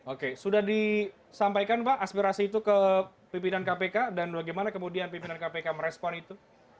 oke sudah disampaikan pak aspirasi itu ke pimpinan kpk dan bagaimana kemudian pimpinan kpk merespon itu